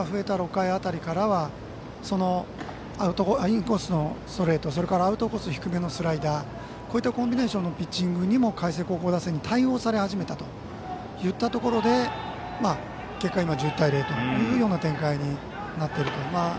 ６回辺りからインコースのストレートアウトコースの低めのスライダーこういったコンビネーションのピッチングにも海星高校打線に対応され始めたといったところで結果、今１１対０という展開になっていると。